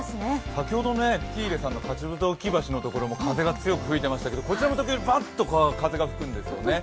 先ほど喜入さんの勝鬨橋のところも風が強く吹いていましたけどこちらも時折ばっと風が吹くんですよね。